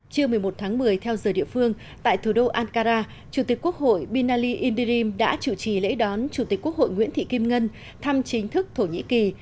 trưa một mươi một tháng một mươi theo giờ địa phương tại thủ đô ankara chủ tịch quốc hội binali indirim đã chủ trì lễ đón chủ tịch quốc hội nguyễn thị kim ngân thăm chính thức thổ nhĩ kỳ